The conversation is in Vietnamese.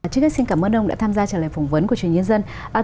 trước hết xin cảm ơn ông đã tham gia trả lời phỏng vấn của truyền hình nhân dân